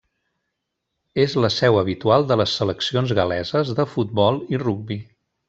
És la seu habitual de les seleccions gal·leses de futbol i rugbi.